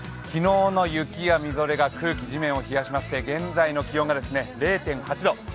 昨日の雪やみぞれが空気、地面を冷やしまして現在の気温が０．８度。